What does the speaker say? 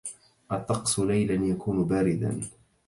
الطقس ليلاً يكون بارداً